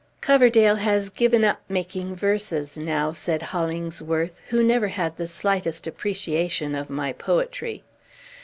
"Coverdale has given up making verses now," said Hollingsworth, who never had the slightest appreciation of my poetry.